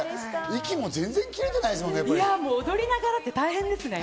息も全然きれてないですもんね。